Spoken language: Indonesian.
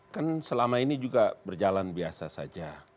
kan selama ini juga berjalan biasa saja